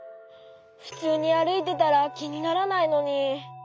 ふつうにあるいてたらきにならないのに。